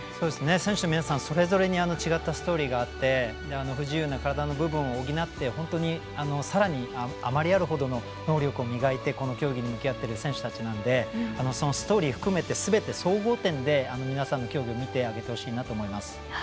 選手の皆さんそれぞれに違ったストーリーがあって不自由な体の部分を補って本当にさらに余りあるほどの能力を磨いてこの競技に向き合っている選手なのでそのストーリー含めて総合点で見てあげてほしいと思います。